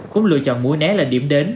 cũng lựa chọn mùa né là điểm đến